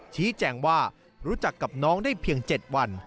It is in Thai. ชี้แจงว่ารู้จักกับน้องได้เพียง๗วัน